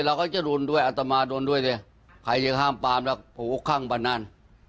เราก็จะรุนด้วยอัตมาโดนด้วยดิใครจะห้ามปามล่ะโหข้างบ้านนั้น